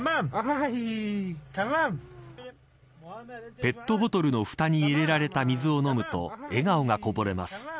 ペットボトルのふたに入れられた水を飲むと笑顔がこぼれます。